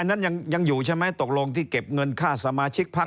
นั้นยังอยู่ใช่ไหมตกลงที่เก็บเงินค่าสมาชิกพัก